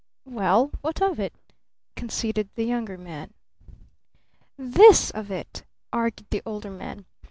"Well, what of it?" conceded the Younger Man. "This of it," argued the Older Man.